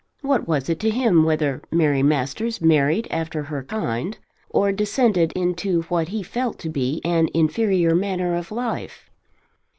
What was it to him whether Mary Masters married after her kind, or descended into what he felt to be an inferior manner of life?